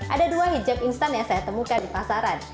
ada dua hijab instan yang saya temukan di pasaran